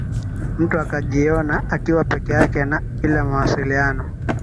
mtu akajiona akiwa peke yake na bila mawasiliano